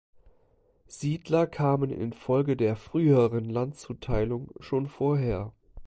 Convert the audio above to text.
Siedler kamen infolge der früheren Landzuteilung schon vorher.